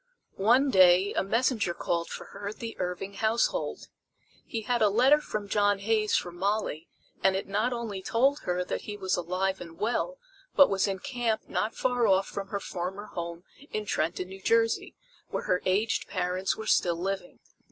One day a messenger called for her at the Irving household. He had a letter from John Hays for Molly, and it not only told her that he was alive and well, but was in camp not far off from her former home in Trenton, New Jersey, where her aged parents were still living.